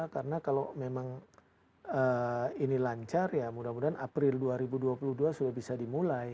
karena kalau memang ini lancar ya mudah mudahan april dua ribu dua puluh dua sudah bisa dimulai